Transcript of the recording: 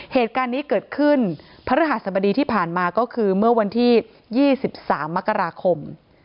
เหตุการณ์นี้เกิดขึ้นพระรหัสบดีที่ผ่านมาก็คือเมื่อวันที่๒๓มกราคม